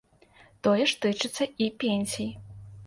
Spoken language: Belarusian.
Тое ж тычыцца і пенсій.